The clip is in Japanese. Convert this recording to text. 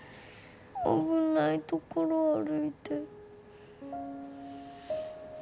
危ない所歩いて。